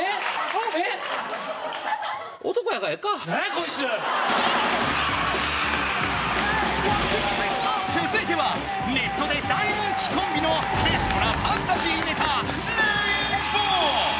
こいつ続いてはネットで大人気コンビのベストなファンタジーネタ